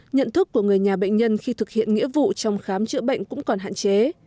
nhận thức của người nhà bệnh nhân khi thực hiện nghĩa vụ trong khám chữa bệnh cũng còn hạn chế